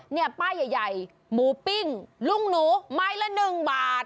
เนี่ยป้ายใหญ่หมูปิ้งลุงหนูไม้ละ๑บาท